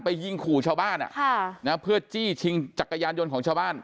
ไปยิงขู่ชาวบ้านอ่ะค่ะนะฮะเพื่อจี้ชิงจักรยานยนต์ของชาวบ้าน